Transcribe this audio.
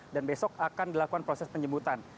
dan besok akan dilakukan proses penjemputan